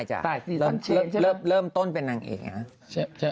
ใช่จ้ะเริ่มต้นเป็นนางเอกนะฮะ